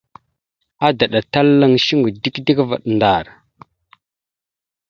Adəɗatalalaŋ shungo dik dik vvaɗ ndar.